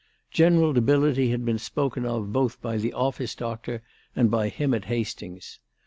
General debility had been spoken of both by the office doctor and by him at Hastings.